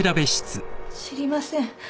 知りません。